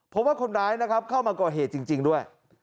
พบว่าคนร้ายเข้ามาก่อเหตุจริงด้วย